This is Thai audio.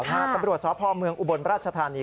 ตำรวจสพเมืองอุบลราชธานี